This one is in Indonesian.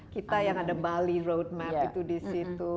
kita yang ada bali road map itu di situ